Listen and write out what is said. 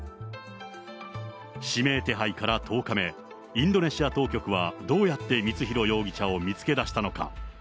指名手配から１０日目、インドネシア当局はどうやって光弘容疑者を見つけ出したのか。